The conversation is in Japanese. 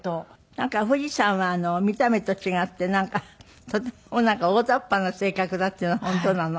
なんか藤さんは見た目と違ってなんかとても大ざっぱな性格だっていうのは本当なの？